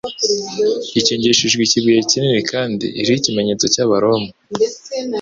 ikingishijwe ikibuye kinini kandi iriho ikimenyetso cy'abaroma.